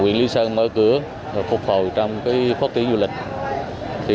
quyền lý sơn mở cửa phục hồi trong phát triển du lịch